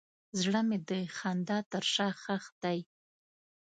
زړه مې د خندا تر شا ښخ دی.